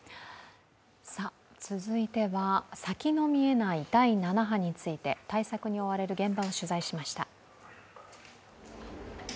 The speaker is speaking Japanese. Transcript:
続いては先の見えない第７波について、対策に追われる現場を取材しました。